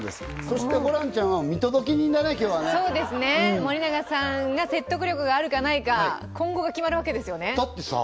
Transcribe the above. そしてホランちゃんは見届け人だね今日はねそうですね森永さんが説得力があるかないか今後が決まるわけですよねだってさ